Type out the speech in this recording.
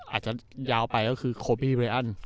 อาจจะยาวไปก็คือโคนว์พีเวเปอร์อันอือ